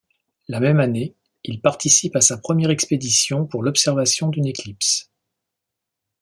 La même année, il participe à sa première expédition pour l'observation d'une éclipse.